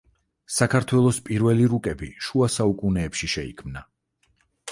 საქართველოს პირველი რუკები შუასაუკუნეებში შეიქმნა.